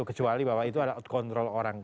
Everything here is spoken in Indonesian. itu kecuali bahwa itu ada out control orang